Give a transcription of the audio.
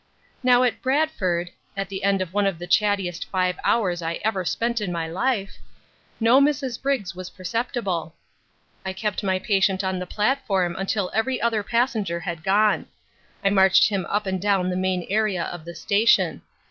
Now at Bradford (at the end of one of the chattiest five hours I ever spent in my life) no Mrs. Briggs was perceptible. I kept my patient on the platform until every other passenger had gone: I marched him up and down the main area of the station.